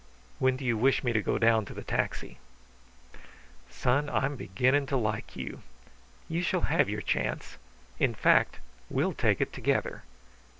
"When do you wish me to go down to the taxi?" "Son, I'm beginning to like you. You shall have your chance. In fact, we'll take it together.